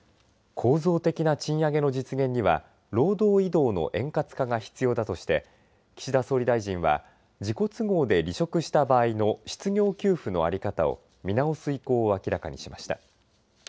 構造的な賃上げの実現には労働移動の円滑化が必要だとして岸田総理大臣は自己都合で離職した場合の失業給付の在り方を見直す意向を明らかにしました。